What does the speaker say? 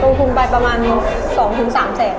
ลงภูมิไปประมาณ๒๓๐๐๐๐๐บาท